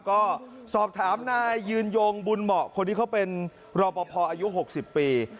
ก็สอบถามนายยืนยงบุญเหมาะคนที่เขาเป็นรอปภอายุ๖๐ปี